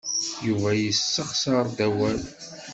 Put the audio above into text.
Yuba yessexṣar-d awal.